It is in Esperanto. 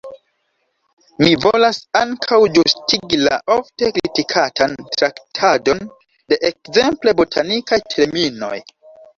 Mi volas ankaŭ ĝustigi la ofte kritikatan traktadon de ekzemple botanikaj terminoj.